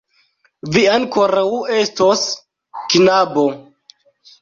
Vi ankoraŭ estos, knabo!